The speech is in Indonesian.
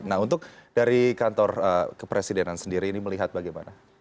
nah untuk dari kantor kepresidenan sendiri ini melihat bagaimana